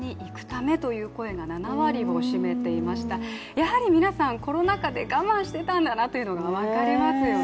やはり皆さん、コロナ禍で我慢していたんだなというのが分かりますよね。